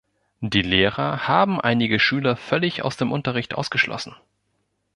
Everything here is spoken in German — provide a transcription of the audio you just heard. Die Lehrer haben einige Schüler völlig aus dem Unterricht ausgeschlossen.